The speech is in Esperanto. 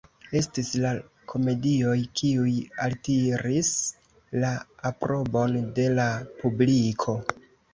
Estis la komedioj kiuj altiris la aprobon de la publiko.